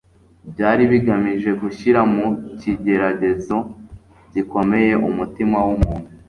byari bigamije gushyira mu kigeragezo gikomeye umutima w'umuntu.